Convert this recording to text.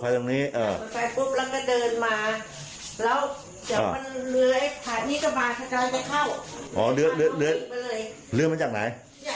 อย่าตัวไป